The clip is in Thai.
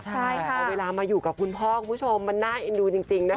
แต่เอาเวลามาอยู่กับคุณพ่อคุณผู้ชมมันน่าเอ็นดูจริงนะคะ